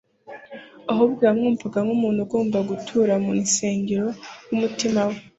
ahubwo yamwakiriye nk'umuntu ugomba gutura mu nisengero w'umutima we.